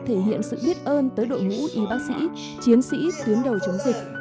thể hiện sự biết ơn tới đội ngũ y bác sĩ chiến sĩ tuyến đầu chống dịch